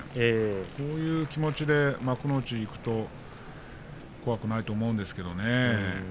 こういう気持ちで幕内にいくと怖くないと思うんですけどね。